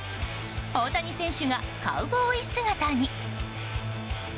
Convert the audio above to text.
大谷選手がカウボーイ姿に。